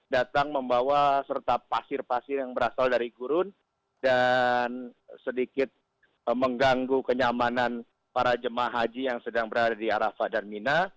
datang membawa serta pasir pasir yang berasal dari gurun dan sedikit mengganggu kenyamanan para jemaah haji yang sedang berada di arafah dan mina